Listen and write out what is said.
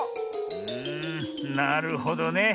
うんなるほどね。